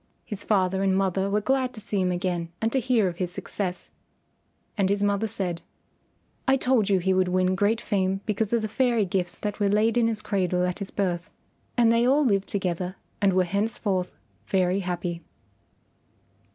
His father and mother were glad to see him again and to hear of his success, and his mother said, "I told you he would win great fame because of the fairy gifts that were laid in his cradle at his birth." And they all lived together and were henceforth very happy.